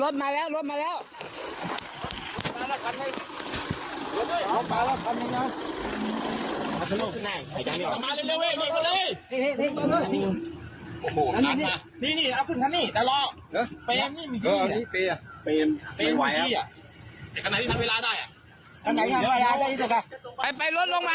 ดีดีนี่